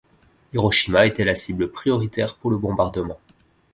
Hiroshima était la cible prioritaire pour le bombardement.